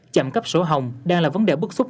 chậm cấp sổ hồng đang là vấn đề bức xúc